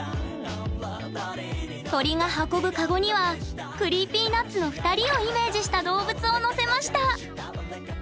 鳥が運ぶかごにはＣｒｅｅｐｙＮｕｔｓの２人をイメージした動物を乗せました。